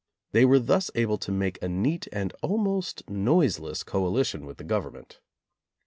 They were thus able to make a neat and almost noiseless coalition with the Government.